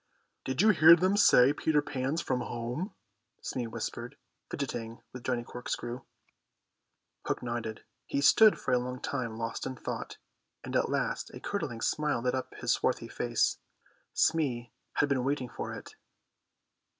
"Did you hear them say Peter Pan's from home?" Smee whispered, fidgeting with Johnny Corkscrew. Hook nodded. He stood for a long time lost in thought, and at last a curdling smile lit up his swarthy face. Smee had been waiting for it.